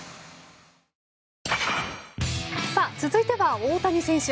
さあ、続いては大谷選手。